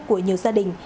của nhiều gia đình